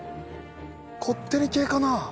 こってり系かな？